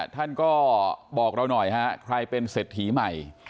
ท่านก็บอกเราหน่อยฮะใครเป็นเศรษฐีใหม่